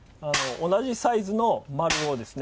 同じサイズの丸をですね